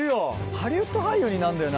ハリウッド俳優になるんだよな。